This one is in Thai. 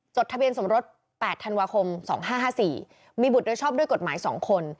ทะเบียนสมรส๘ธันวาคม๒๕๕๔มีบุตรโดยชอบด้วยกฎหมาย๒คน